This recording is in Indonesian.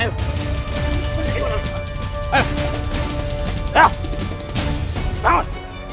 mengikuti perintah tuhan banyak ngomong